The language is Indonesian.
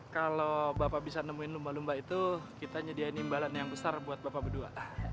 kalau bapak bisa nemuin lumba lumba itu kita nyediain imbalan yang besar buat bapak berdua